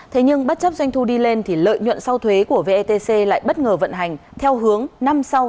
thế nhưng bất chấp doanh thu đi lên thì lợi nhuận sau thuế của vetc lại bất ngờ vận hành theo hướng năm sau thua lỗ cao hơn năm trước